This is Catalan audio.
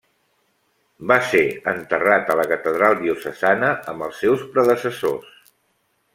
Va ser enterrat a la catedral diocesana amb els seus predecessors.